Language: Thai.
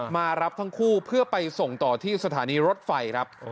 มารับทั้งคู่เพื่อไปส่งต่อที่สถานีรถไฟครับ